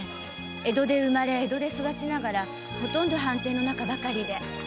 江戸で生まれ江戸で育ちながらほとんど藩邸の中ばかりで。